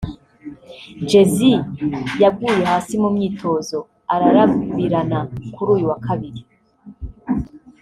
Jessy yaguye hasi mu myitozo ararabirana kuri uyu wa Kabiri